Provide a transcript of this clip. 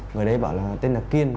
người đấy bảo là tên là kiên